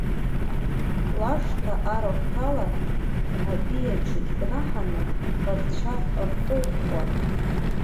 Лашҭа арахә ҭалар, абиаҿы икнаҳаны, рцәа рхылхуан.